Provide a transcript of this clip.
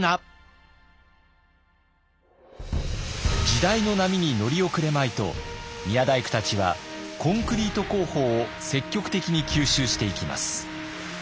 時代の波に乗り遅れまいと宮大工たちはコンクリート工法を積極的に吸収していきます。